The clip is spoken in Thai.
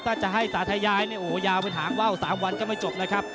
ถ้าจะให้สาธยายเนี่ยโอ้โหยาวเป็นหางว่าว๓วันก็ไม่จบนะครับ